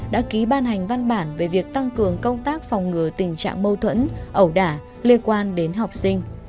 đã ký ban hành văn bản về việc tăng cường công tác phòng ngừa tình trạng mâu thuẫn ẩu đả liên quan đến học sinh